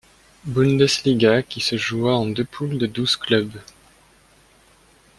Bundesliga qui se joua en deux poules de douze clubs.